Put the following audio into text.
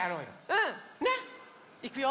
うん！ね？いくよ！